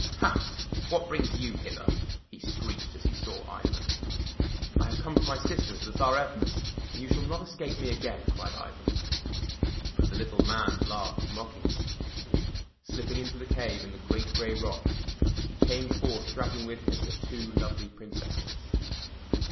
"Hah! what brings you hither?" he screeched as he saw Ivan. " I have come for my sisters, the Tsarevnas, and you shall not escape me again!" cried Ivan. But the Little Man laughed mockingly. Slipping into the cave in the great gray rocks, he came forth dragging with him the two lovely Princesses.